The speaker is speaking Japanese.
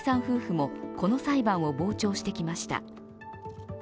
夫婦も、この裁判を傍聴してきました。